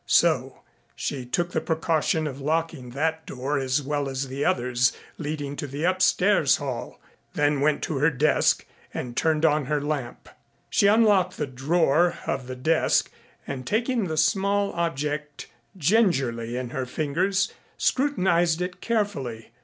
So she took the precaution of locking that door as well as the others leading to the upstairs hall, then went to her desk and turned on her lamp. She unlocked the drawer of the desk and taking the small object gingerly in her fingers, scrutinized it carefully.